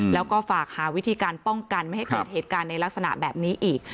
แล้วก็ฝากหาวิธีการป้องกันไม่ให้เกิดเหตุการณ์ในลักษณะแบบนี้อีก